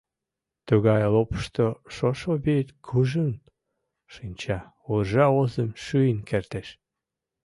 Тугай лопышто шошо вӱд кужун шинча, уржа озым шӱйын кертеш.